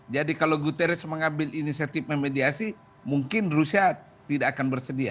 jadi kalau guterres mengambil inisiatif memediasi mungkin rusia tidak akan bersedia